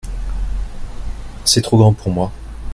C’est trop grand pour moi.